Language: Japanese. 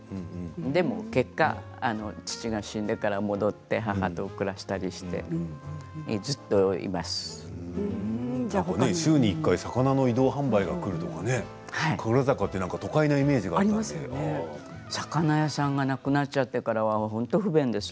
でも結果、父が死んでから戻って母と暮らしたりして週に１回魚の移動販売が来るとか神楽坂は都会のイメージが魚屋さんがなくなっちゃってからは本当に不便です。